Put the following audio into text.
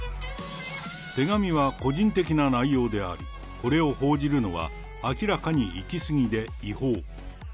手紙は個人的な内容であり、これを報じるのは明らかに行き過ぎで違法。